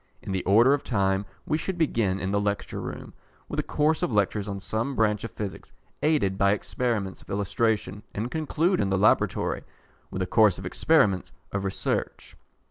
In the order of time, we should begin, in the Lecture Room, with a course of lectures on some branch of Physics aided by experiments of illustration, and conclude, in the Laboratory, with a course of experiments of research.